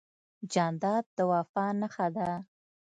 جانداد د وفا نښه ده.